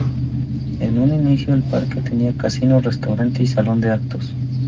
En un inicio el parque tenía casino, restaurante y salón de actos.